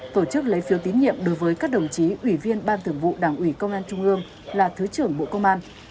tổ chức lấy phiếu tín nhiệm đối với các đồng chí ủy viên ban thường vụ đảng ủy công an trung ương là thứ trưởng bộ công an